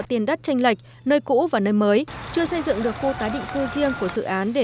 tiền đất tranh lệch nơi cũ và nơi mới chưa xây dựng được khu tái định cư riêng của dự án để